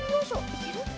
いける？